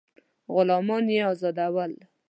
غلامان یې آزادول.